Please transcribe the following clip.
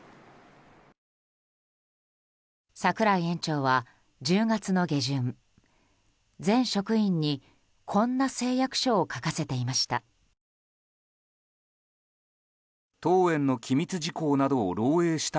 櫻井園長は、１０月の下旬全職員にこんな誓約書を書かせていました。